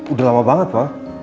udah lama banget pak